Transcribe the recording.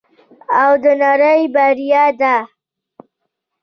او د نړۍ بریا ده.